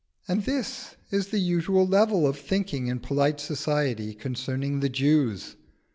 And this is the usual level of thinking in polite society concerning the Jews.